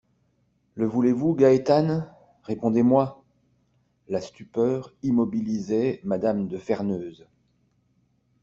Le voulez-vous, Gaétane ? Répondez-moi.» La stupeur immobilisait M^{me} de Ferneuse.